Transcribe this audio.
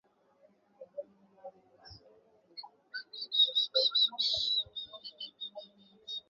Ushindani mkali huo ni kati ya mgombea wa chama cha Muunganiko wa Umoja wa Kidemokrasia William Ruto na Raila Amollo Odinga